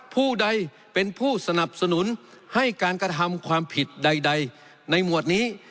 ผู้ใดเป็นผู้สนับสนุนให้การกระทำความผิดใดในหมวดนี้